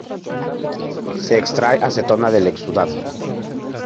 Se extrae acetona del exudado.